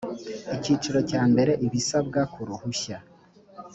icyiciro cya mbere ibisabwa ku ruhushya